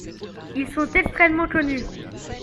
Ils sont extrèmement connus.